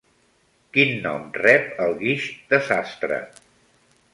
Quin nom rep el guix de sastre?